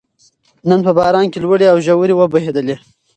نن په باران کې لوړې او ځوړې وبهېدلې